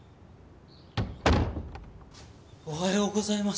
・おはようございます。